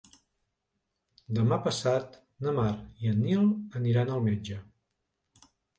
Demà passat na Mar i en Nil aniran al metge.